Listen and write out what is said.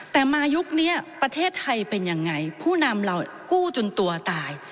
แต่มายุคนี้ประเทศไทยเป็นยังไงผู้นำเรากู้จนตัวตาย